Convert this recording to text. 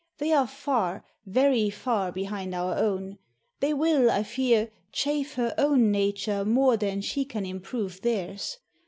They are far, very far, behind our own. They will, I fear, chafe her own nature more than she can improve theirs.